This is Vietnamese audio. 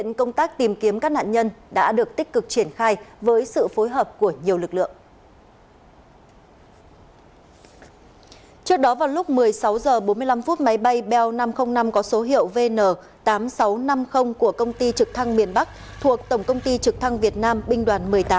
một mươi năm phút máy bay bell năm trăm linh năm có số hiệu vn tám nghìn sáu trăm năm mươi của công ty trực thăng miền bắc thuộc tổng công ty trực thăng việt nam binh đoàn một mươi tám